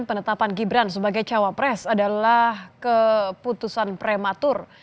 penetapan gibran sebagai cawapres adalah keputusan prematur